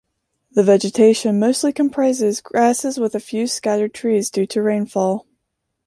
The vegetation mostly comprises grasses with a few scattered trees due to the rainfall.